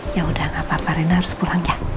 ya udah nggak apa apa reina harus pulang ya